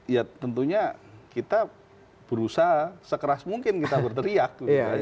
ya tentunya kita berusaha sekeras mungkin kita berteriak